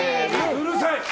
うるさい！